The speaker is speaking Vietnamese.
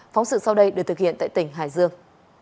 phóng sự sau đây được thực hiện tại tỉnh hải dương